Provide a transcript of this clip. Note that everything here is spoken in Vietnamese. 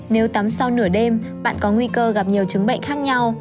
nếu tắm sau nửa đêm bạn có nguy cơ gặp nhiều chứng bệnh khác nhau